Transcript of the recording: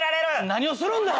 何をするんだ！？